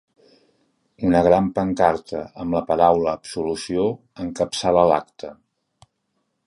Una gran pancarta amb la paraula “Absolució” encapçala l’acte.